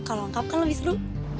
kalau lengkap kan lebih seru